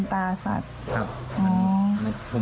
เพราะพ่อเชื่อกับจ้างหักข้าวโพด